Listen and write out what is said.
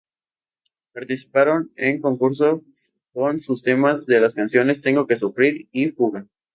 Participaron en concursos con sus demos de las canciones, "Tengo que sufrir" y "Fuga".